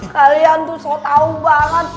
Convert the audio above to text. kalian tuh so tau banget